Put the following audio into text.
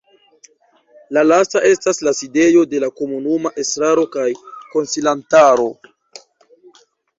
La lasta estas la sidejo de la komunuma estraro kaj konsilantaro.